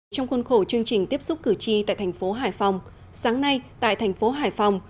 trong khuôn khổ chương trình tiếp xúc cử tri tại thành phố hải phòng sáng nay tại thành phố hải phòng